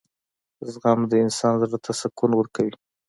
• زغم د انسان زړۀ ته سکون ورکوي.